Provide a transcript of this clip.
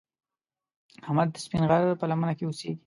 احمد د سپین غر په لمنه کې اوسږي.